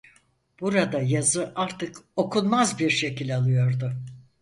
Burada yazı artık okunmaz bir şekil alıyordu.